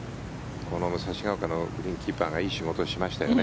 この武蔵丘のグリーンキーパーがいい仕事をしましたよね。